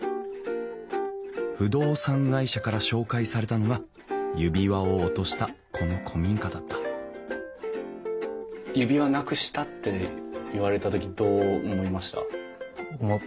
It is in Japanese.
不動産会社から紹介されたのが指輪を落としたこの古民家だった指輪なくしたって言われた時どう思いました？